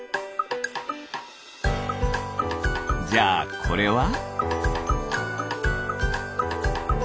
じゃあこれは？